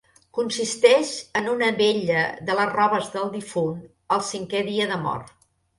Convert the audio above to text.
Consisteix en una vetlla de les robes del difunt, al cinquè dia de mort.